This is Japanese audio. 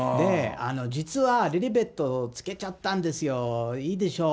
実はリリベット、付けちゃったんですよ、いいでしょう？